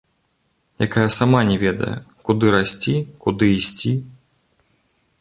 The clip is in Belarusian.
Якая сама не ведае, куды расці, куды ісці.